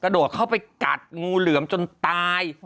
โดดเข้าไปกัดงูเหลือมจนตาย